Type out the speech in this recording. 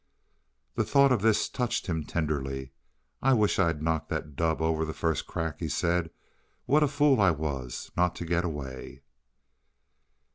The thought of this touched him tenderly. "I wish I'd knocked the dub over the first crack," he said. "What a fool I was not to get away."